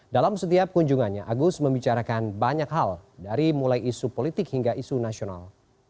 dalam setiap kunjungannya agus membicarakan banyak hal dari mulai isu politik hingga isu nasional